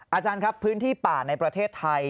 อาจารย์ครับพื้นที่ป่าในประเทศไทย